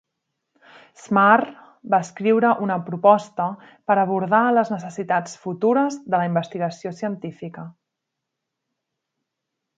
Smarr va escriure una proposta per abordar les necessitats futures de la investigació científica.